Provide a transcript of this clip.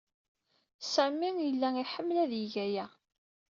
Sami yella iḥemmel ad yeg aya.